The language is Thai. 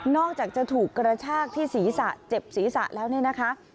อกจากจะถูกกระชากที่ศีรษะเจ็บศีรษะแล้วเนี่ยนะคะ